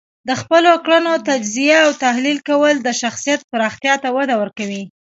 د خپلو کړنو تجزیه او تحلیل کول د شخصیت پراختیا ته وده ورکوي.